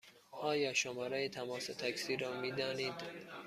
آیا شماره تماس تاکسی را می دانید؟